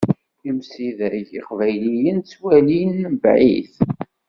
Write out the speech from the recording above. Imsidag iqbayliyen ttwalin mebɛid.